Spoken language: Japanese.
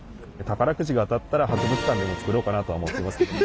宝くじが当たったら博物館でも作ろうかなとは思ってます。